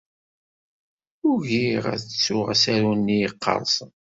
Ugiɣ ad ttuɣ asaru-nni yeqqersen.